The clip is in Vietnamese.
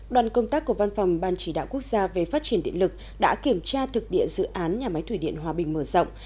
đoàn công tác của văn phòng ban chỉ đạo quốc gia về phát triển điện lực đã kiểm tra thực địa dự án nhà máy thủy điện hòa bình mở rộng